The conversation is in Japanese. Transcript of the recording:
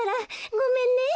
ごめんね。